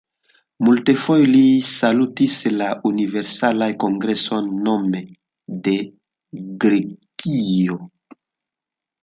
Multfoje li salutis la Universalajn Kongresojn nome de Grekio.